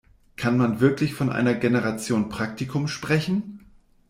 Kann man wirklich von einer Generation Praktikum sprechen?